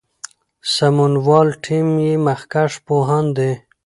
سمونوال ټیم یې مخکښ پوهان دي.